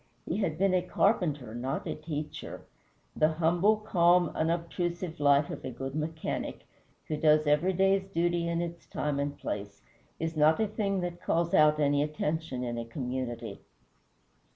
He had been a carpenter, not a teacher. The humble, calm, unobtrusive life of a good mechanic, who does every day's duty in its time and place, is not a thing that calls out any attention in a community.